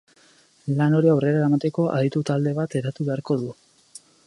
Lan hori aurrera eramateko, aditu talde bat eratu beharko du.